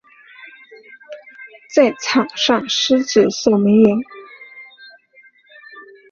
在场上司职守门员。